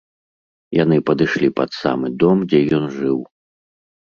Яны падышлі пад самы дом, дзе ён жыў.